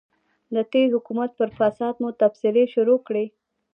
د تېر حکومت پر فساد مو تبصرې شروع کړې.